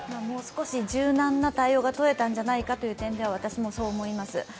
もう少し柔軟な対応がとれたんじゃないかという点では私もそう思います。